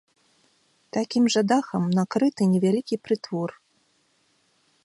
Такім жа дахам накрыты невялікі прытвор.